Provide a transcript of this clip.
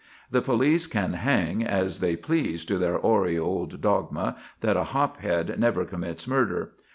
The police can hang as they please to their hoary old dogma that a 'hop head' never commits murder.